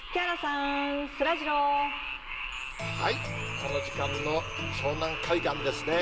この時間の湘南海岸ですね。